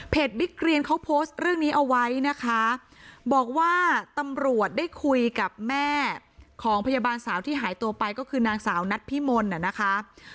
บิ๊กเรียนเขาโพสต์เรื่องนี้เอาไว้นะคะบอกว่าตำรวจได้คุยกับแม่ของพยาบาลสาวที่หายตัวไปก็คือนางสาวนัดพิมลน่ะนะคะ